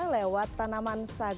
lewat tanaman sagar